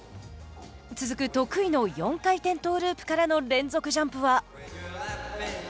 続く得意の４回転トーループからの連続ジャンプは。